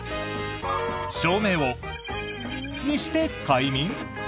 照明を○○にして快眠？